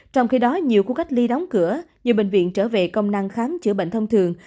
trong khi đó nhiều khu cách ly đóng cửa nhiều bệnh viện trở về công năng khám chữa bệnh thông thường